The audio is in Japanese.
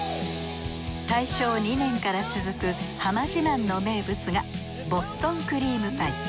大正２年から続く浜志゛まんの名物がボストンクリームパイ。